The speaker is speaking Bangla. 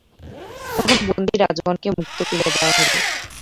তখন বন্দী রাজগণকে মুক্ত করিয়া দেওয়া হইল।